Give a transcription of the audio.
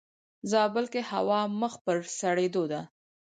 زابل کې هوا مخ پر سړيدو ده.